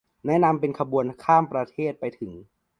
แนะนำเป็นขบวนข้ามประเทศไปถึง